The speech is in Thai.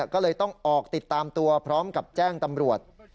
ก็เลยต้องออกติดตามตัวพร้อมกับแจ้งตำรวจ